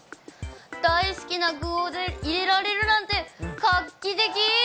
大好きな具を入れられるなんて、画期的。